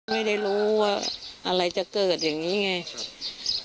ไม่รู้ว่าอะไรจะเกิดอย่างนี้ไงครับ